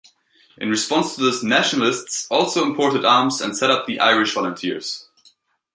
In response to this, nationalists also imported arms and set up the Irish Volunteers.